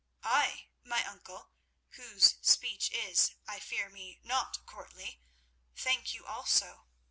"I, my uncle, whose speech is, I fear me, not courtly, thank you also.